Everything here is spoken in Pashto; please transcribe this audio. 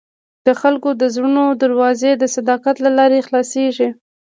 د خلکو د زړونو دروازې د صداقت له لارې خلاصېږي.